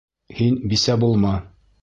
Һин бисә булма!